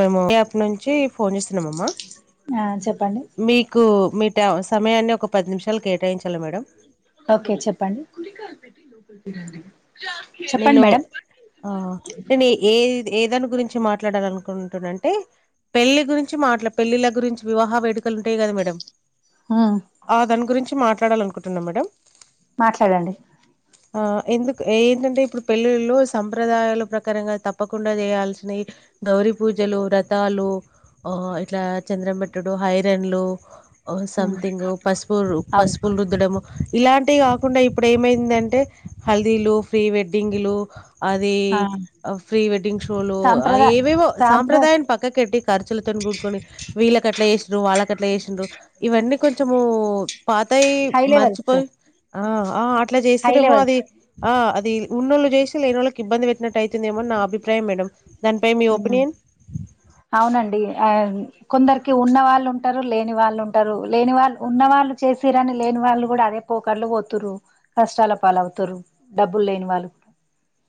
మేము యాప్ నుంచి ఫోన్ చేస్తున్నాంమ్మా ఆ చెప్పండి మీకు మీ సమయాన్ని ఒక పది నిమిషాలు కేటాయించాల మేడం ఓకే చెప్పండి చెప్పండి నేను మేడం ఆ నేను ఏ ఏదాని గురించి మాట్లాడాలనుకున్నాను అంటుండంటే పెళ్లి గురించి మాట్లా పెళ్ళిల గురించి వివాహ వేడుకలు ఉంటాయి కదా మేడం ఉమ్ ఆ దాని గురించి మాట్లా చట్డాలనుకుంటున్నాం మేడడం మాట్లాడండి ఆ ఎందుకు ఏంటంటే ఇప్పుడు పెళ్ళిళ్లో సంప్రదాయాల ప్రకారంగా తప్పకుండా చేయాల్సినవి గౌరి పూజలు వ్రతాలు ఆ ఇట్లా చంద్రంబట్టుడు హైరన్లు ఉమ్ సంథింగ్ పసుపు అవును పసుపులు రుదడము ఇలాంటివి కాకుండా ఇప్పుడు ఏమైందండి హల్దీ లుూ ఫ్రీ వెడ్ వెడ్డింగలు అది ఆ ప్రీ వెడ్డింగ్ షోలు సాంప్రదాయ ఏవేవో సాంప్ర సాంప్రదాయా పక్క క పెట్టి ఖర్చులతోని కూడుకొని వీళ్ళకట్లా చేస్రు వాళ్ళకట్లా చేస్రు ఇవన్నీ కొంచెము పాతాయి హై లెవెల్స్ మర్చిపోయి ఆ ఆ అట్లా హై చేసి మో లెవెల్స్ అది ఆ అది ది ఉన్నోళ్ళు చేసి లేని వాళ్ళకి ఇబ్బంది పెట్టిట్టు అయితుందేమో నా అభిప్రాయం మేడం దానిపై మీ ఒపీనియన్ అవునండి ఆ కొందరికి ఉన్న వాళ్ళు ఉంటారు లేని వాళ్ళు ఉంటారు లేని వాళ్ళు ఉన్న వాళ్ళు చేసిరని లేని వాళ్ళు కూడా అదే పోకర్లు పోతరు కష్టాల పాలతారు డబ్బులు లేని వాళ్ళు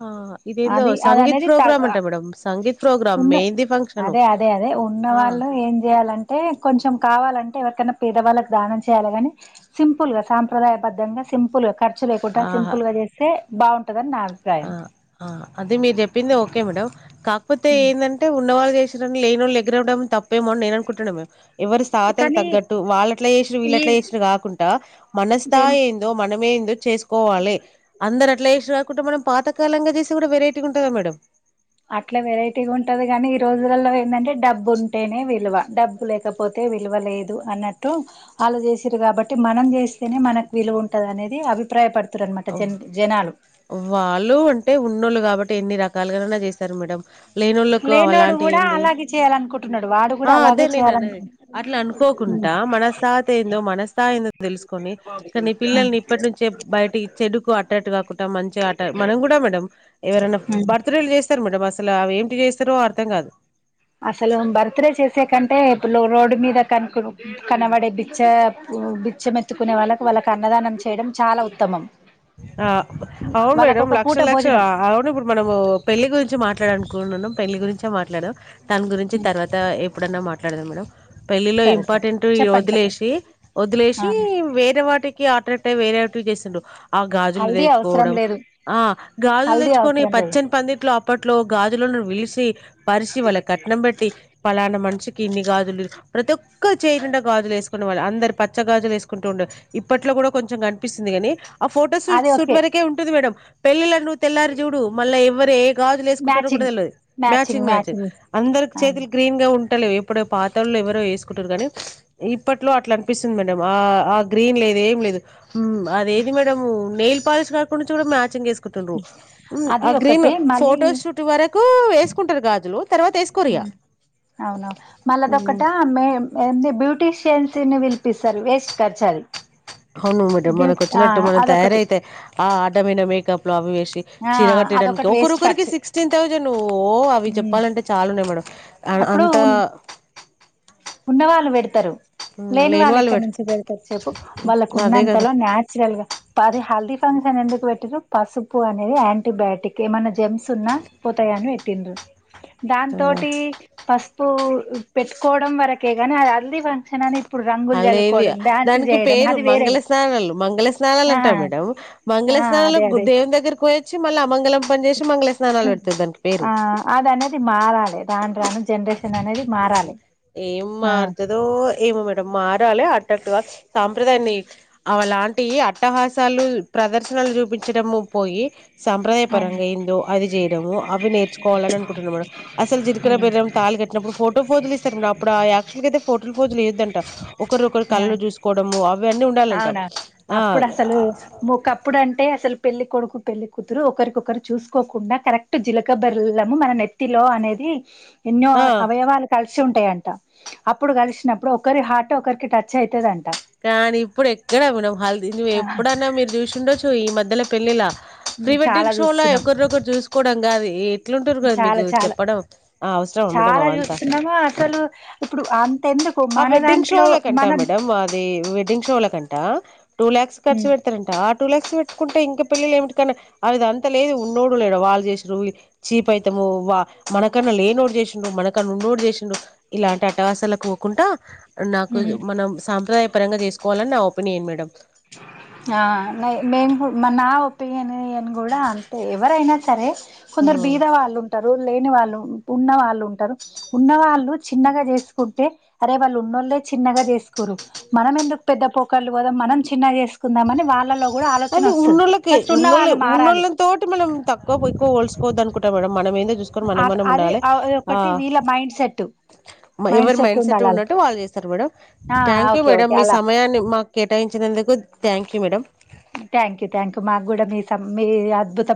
ఆ ఇదేందు అది అది సంగీత్ అనేది ప్రోగ్రామ్ త అంటా మేడం సంగీత్ ప్రోగ్రామ్ ఉన్న మెహందీ ఫంక్షన్ అదే అదే అదే ఉన్న ఆ వాళ్ళు ఏం చేయాలంటే కొంచెం కావాల ే ఎవైనా పేదవాళ్ళకి దానం చేయాలిని సింపుల్గా సాంప్రదాయబద్దంగా సింపుల్ మచ్చ లేకుండా ఆహా సింపుల్గా చేస్తే బాగుంటుందని నా ఆ అభిప్రాయం అ అదే మీరు చెప్పింది ఓ ఓకే మేడం కాకపోతే ఏందంటే ఉన్నవాళ్ళు చేస్ లేనోళ్ళు ఎదురవ్వడం తప్పేమో అని నేనుకుంటున్నామే ఎవరి తాహతుకు కానీ తగ్గట్టు వాళ్ళట్లా చేసిరు ఈ వీళ్ళట్లా చేసిరు కాకుండా మన జన్ స్థాయి ఏందో మనమేందో చేసుకోవాలి అందరు [unintelligible] కుటుంబమం పాతకాలంగా చేసి కూడా వెరైటీగ ఉంటదా మేడం అట్లా వెరైటీగా ఉంటది కాని ఈ రోజులలో ఏందంటే డబ్బు ఉంటేనే విలువ డబ్బు లేకపోతే విలువ లేదు అన్నట్టు వాళ్లు చేసిరు కాబట్టి మనం చేస్తేనే మనకు విలువ ఉం ఉంటది అనేది అభిప్రాయపడ్ వాళ్ళు అంటే ఉన్నోళ్ళు కాబట్ టి ఎన్ని రకాలుగానైనా చేస్తారు మేడం లేనోడు కూడా అలాగే చేయాలనుకుంటున్నాడు వాడు కూడా ఆ అదే అలాగే నేను అనేది చేయాలనుకుంటున్నాడు అట్లా అనుకోకుండా మన తాహతు ఏందో మన స్థాయి ఏందో తెలుసుకొని కానీ పిల్లల్ని ఇప్పటి నుంచే బయటకి అటు అటు కాకుండా మంచి గా అట్ట మనం కూడా మేడం ఎవరైనా బర్త్డే లు చేస్తారు మేడం అసల అ ఏంటి చేస్తారో అర్థం కాదు అసలు బర్త్ డే చేసే కంటే ఇప్పుడు రోడ్డు మీద కనుకు కనబడే బిచ్చ బిచ్చ మెత్తుకునే వాళ్ళకు వాళ్ళకి అన్నదానం చేయడం చాలా ఉత్తమం. ఆ అవును వాళ్ళకు మేడం ఒక పూట లక్షలు లక్ష భోజనం అవును ఇప్పుడు మనము పెళ్ళి గురించి మాట్లాడలనుకుంటున్నాం పెళ్లి గురించే మాట్లాడం దాని గురించి తర్వాత ఎప్పుడన్న మాట ట్లాడదాం మేడం పెళ్లిలో సరే సరే ఇంపార్టెంట్ యి చెప్పండి చెప్పండి వదిలేసి ఆ వదిలేసి వేరే వాటి కి [unintelligible] వేరేటివి చేసిండు ఆ గాజులు హల్దీ అవసరం తెచ్చుకోవడం లేదు ఆ గాజులు హల్దీ తెచ్చుకొని అవసరం లేదు పచ్చని పందిట్లో అప్పట్లో గాజు [unintelligible] పిలిసి పరిసి వాళ్ళ కట్నం పెట్టి పలానా మనిషికి ఇన్ని గాజులు ప్రతి ఒక్క చేయనుం గాజులు వేసుకునే వాళ్ళు అందరు ప పచ్చగాజులు వేసుకుంటూ ఉండవు ఇప్పట్లో కూడా కొంచెం కనిపిస్తుంది గాని ఆ ఫోటోస్ అది షూట్ ఓకే వరకే ఉంటది మేడమ్ పెళ్లిలను నువ్వు తెల్లారు చూడు మళ్ళా ఎవ్వరు ఏ గాజులు వేసుకుంటార కూడా మ్యాచింగ్ తెలియదు మ్యాచింగ్ మ్యాచింగ్ అందరి చేతులు గ్రీన్ గా ఉంట ట్టలే ఎప్పుడో పాతళ్ళు ఎవరో వేసుకుంటారు గాని ఇప్పట్లో అట్లా అనిపిస్తుంది మేడం ఆ ఆ గ్రీన్ లేదు ఏం లేదు ది మ్యాడ నెయిల్ పాలిష్ కాకుడాం చూడు కూడా మ్యాచింగ్ ఎక్కుతారు అది ఆ గ్రీన్ ఒకటి మళ్ళీ ఫోటో షూట్ వరకు వే తీసుకుంటారు గాదులో అవునవు మళ్ళాదొ ఇగ ఒకట మ బ్యూటీషియన్స్ ని పిలిపిస్తారు వేస్ట్ ఖర్చాలి అవును మేడమ్ మనకు వచ్చినట్టు మనం తయారయిత ఆ అడ్డమైన మేకప్ లో అవి చీ ఆ చెడగొట్టటానికి అదొకటి వేస్ట్ ఒకరోకరికి ఖర్చు సిక్స్టీన్ తౌసండ్ అ ఉమ్ చెప్పాలంటే చా ఉన్నాయి మేడం అంత ఉన్నవాళ్ళు పెడుతారు మ్, లేని వాళ్ళ వాళ్ళు ఎక్కడ పెట్ నుంచి పెడతారు చెప్పు వాళ్ళకు అదే కదా ఉన్నంతలో నాచురల్ గా అది హెల్దీ ఫంక్షన్ ఎందుకు పెట్టిండ్రు పసుపు అనేది యాంటీబయాటిక్ ఏమన్నా జెమ్స్ ఉన్నా పోతాయని పెట్టిండ్రు ఆ దాంతోటి పసుపు పెట్ కోవడం వరకే కాని అది హల్ది ఫంక్షన్ అని ఇ అలాది దానికి పేరు అది మంగళ వేరేగా స్నానాలు మంగళ స్నానాలు ఆ అంటారు మేడం ఆ మంగళస్నానాలు అదే అదే దేవుని దగ్గరకి పోయి చే మల్ అమంగలం పని చేసి మంగళ స్నానాలు పెడతారు దానికి పేరు ఆ అది అనేది మారాలి రాను రాను జనరేషన్ అనేది మారాలి ఏం ఆ మారుతుదో ఏమో మేడం మారాలి అట్ట సాంప్రదాయాన్ని అలాంటి అట్టహాసాలు ప్రదర్శనలు చూపించటము పోయి సాంప్రదాయ ఆ పరంగా అయిందో అది చేయడముో అవి నేర్చుకోవాలని అనుకుంటున్నాన్నమాట అసలు జీలకర్ర బెల్లం తాలి కట్టినప్పుడు ఫోటో ఫోజులు ఇస్తారు అప్పుడు ఆ యాక్చువల్గాయితే ఫోటోలు ఫోజులు ఇవొద్ంట ఒకరు ఒకరు ఆ కలలు చూసుకోవడము అవ అన్నీ ఉండాలంట అవునా ఆ అప్పుడు అసలు ఒకప్పుడు అంటే అసలు పెళ్లి కొడుకు పెళ్లి కుతురు ఒకరికొకరు చూసుకోకుండా కరెక్ట్ జీలకబర్లము మన నెత్తిలో అనేది ఎన్నో ఆ అవయవాలు కలిసి చ్చ ఉంటాయంట అప్పుడు కలిసినప్పుడు ఒకరి హార్ట్ ఒకరికి టచ్ అవుతుదింట కానీ ఇప్పుడు ఎక్కడ మన్ హల్ నువ్వు ఎప్పుడన్నా మీరు చూసిండొచ్చ ఈ మధ్య దల పెళ్ళిలా ప్రీ చాలా వెడ్డింగ్ షోలా చూస్తున్నాం ఎరిొకరు చూసుకోవడం కాది ఎట్లుంటారు కదా మీకు చాలా చాలా చెప్పడం ఆ అవసరం అమ్మాట చాలా అవంతా చూస్తున్నామా అసలు ఇప్పుడు అంతెందుకు ఆ మన వెడ్డింగ్ షో దాంట్లో అలా కంటా మనం మేడమ్ అది వెడ్డింగ్ షోల కంట టూ ల్యాక్స్ ఖర్చు పెడతారంట టూ లాక్స్ పెట్టుకుంటే ఇంకా పెళ్ళిలు ఏమిటి కన్నా అవింత లేదు ఉన్నోడు లేడు వాళ్ళు చేసిర చీప్ అవుతాము వా మనకన్నా లేనోడు చేసిండు మనకన్నా ఉన్నోడు చేసిండు ఇలాంటి అటహసాలకు కుంట నాకు మనం సాంప్రదాయ పరంగ చేసుకోవాలని నా ఒ న ఏను మేడం ఆ న మ మా నా పేని య కూడా అంతే ఎవరైనా సరే కొందరు మేడం బీద వాళ్లుంటారు లేని వాళ్ళు ఉన్న వాళ్ళు ఉంటారు ఉన్నవాళ్ళు చిన్నగా చేసుకుంటే అరే వాళ్ళు ఉన్నోళ్ళలే చిన్నగా చేసుకోరు మనం ఎందుకు పెద్ద పోకాళ్ళు పోదా మనం. చిన్నగా చేస్కో అది ఉన్నోళ్ళకే ఫస్ట్ ఉన్న ఉన్నోళ్ళ వాళ్ళు మారాలి ఉన్నోళ్ళ తోటి మేనం తక్కువ ఎక్కువ ల్సుకోవద్దు అనుకుంట విడం మనం మనమేంది చూసుకని మనం మనం అది ఉండాలి అ ఒకటి వీళ్ళ మైండ్ సెట్ ఎవరి మైండ్ సెట్ ఉన్నట్టు వాళ్ళు చేస్తారు మేడం ఆ thank you okay madam okay మీ అలా సమయాన్ని మాకు కేటాయించినందుకు thank you madam thank you thank you మాకు కూడా మీ మీ అద్భుత.